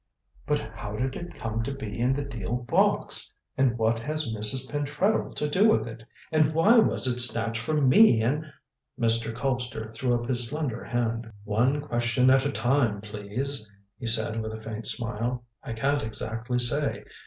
"But how did it come to be in the deal box? And what had Mrs. Pentreddle to do with it? And why was it snatched from me in " Mr. Colpster threw up his slender hand. "One question at a time, please," he said, with a faint smile. "I can't exactly say.